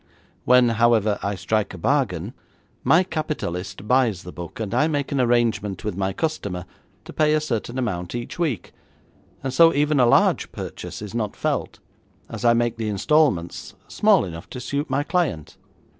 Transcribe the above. When, however, I strike a bargain, my capitalist buys the book, and I make an arrangement with my customer to pay a certain amount each week, and so even a large purchase is not felt, as I make the instalments small enough to suit my client.'